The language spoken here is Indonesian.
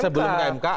sebelum ke mk